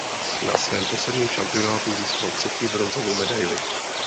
Na svém posledním šampionátu získal třetí bronzovou medaili.